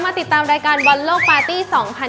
ติดตามรายการบอลโลกปาร์ตี้๒๐๑๖